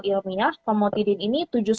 ilmiah pamotidin ini tujuh lima